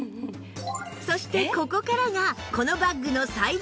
そしてここからがこのバッグの最大のポイント